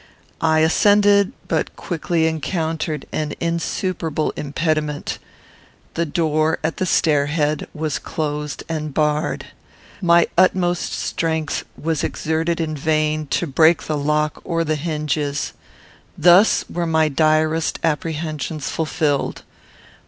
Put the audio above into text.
I ascended, but quickly encountered an insuperable impediment. The door at the stair head was closed and barred. My utmost strength was exerted in vain, to break the lock or the hinges. Thus were my direst apprehensions fulfilled.